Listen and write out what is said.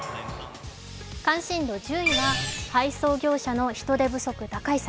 関心度１０位は、配送業者の人手不足、打開策。